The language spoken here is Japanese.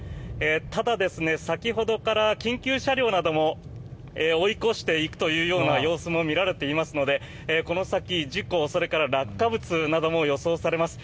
ただ、先ほどから緊急車両なども追い越していくというような様子も見られていますのでこの先、事故、それから落下物なども予想されます。